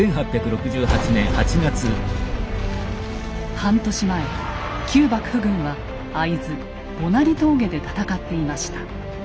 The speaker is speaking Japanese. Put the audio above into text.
半年前旧幕府軍は会津母成峠で戦っていました。